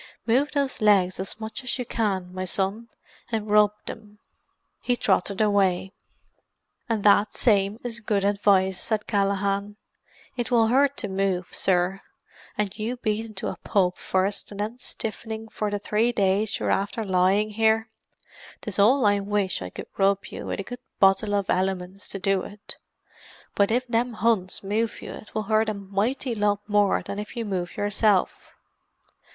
"Move those legs as much as you can, my son, and rub them." He trotted away. "And that same is good advice," said Callaghan. "It will hurt to move, sir, and you beaten to a pulp first and then stiffening for the three days you're after lying here; 'tis all I wish I could rub you, with a good bottle of Elliman's to do it with. But if them Huns move you 'twill hurt a mighty lot more than if you move yourself.